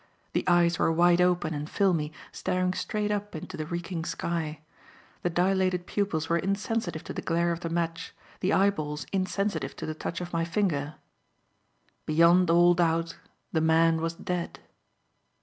The eyes were wide open and filmy, staring straight up into the reeking sky. The dilated pupils were insensitive to the glare of the match, the eyeballs insensitive to the touch of my finger. Beyond all doubt the man was dead.